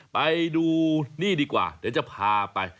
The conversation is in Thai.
ไปดูนี่ดีกว่าเดี๋ยวจะพาไป